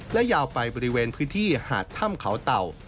และยาวไปบริเวณพื้นที่หาดถ้ำเขาเต่า